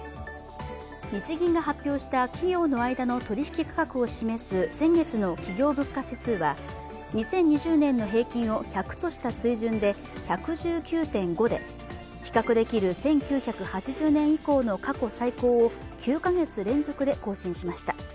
日銀が発表した企業の間の取引区画を示す先月の企業物価指数は２０２０年の平均を１００とした水準で１１９．５で比較できる１９８０年以降の過去最高を９か月連続で更新しました。